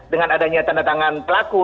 dengan adanya tanda tangan pelaku